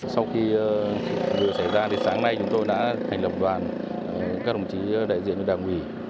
sau khi vụ xảy ra sáng nay chúng tôi đã thành lập đoàn các đồng chí đại diện đảng quỷ